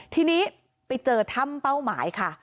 ทีนี้ไปเจอถ้ำเป้าหมายค่ะ